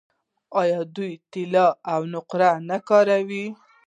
آیا دوی طلا او نقره نه کاروي؟